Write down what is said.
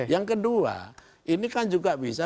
yang kedua ini kan juga bisa